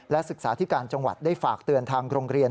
ศึกษาที่การจังหวัดได้ฝากเตือนทางโรงเรียน